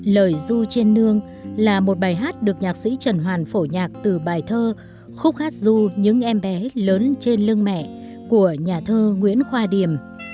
lời du trên nương là một bài hát được nhạc sĩ trần hoàn phổ nhạc từ bài thơ khúc hát du những em bé lớn trên lưng mẹ của nhà thơ nguyễn khoa điềm